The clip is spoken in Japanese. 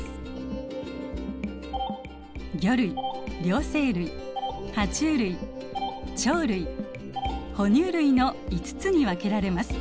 魚類両生類ハチュウ類鳥類哺乳類の５つに分けられます。